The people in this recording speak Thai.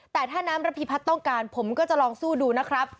แต่ถ้าน้ำระพีพัฒน์ต้องการผมก็จะลองสู้ดูนะครับ